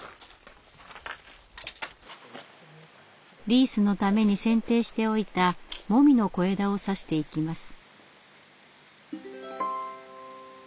リースのために剪定しておいたモミの小枝を挿していきます。